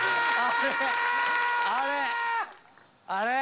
あれ？